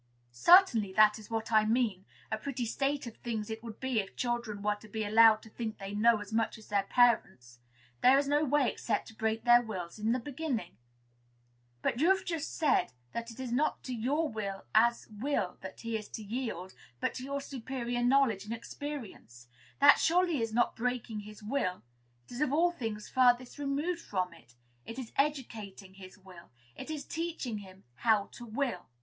"Certainly, that is what I mean. A pretty state of things it would be if children were to be allowed to think they know as much as their parents. There is no way except to break their wills in the beginning." "But you have just said that it is not to your will as will that he is to yield, but to your superior knowledge and experience. That surely is not 'breaking his will.' It is of all things furthest removed from it. It is educating his will. It is teaching him how to will."